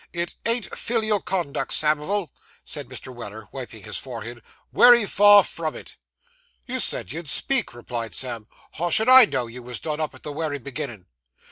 It ain't filial conduct, Samivel,' said Mr. Weller, wiping his forehead; 'wery far from it.' 'You said you'd speak,' replied Sam; 'how should I know you wos done up at the wery beginnin'?